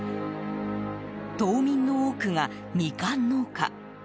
島民の多くがミカン農家。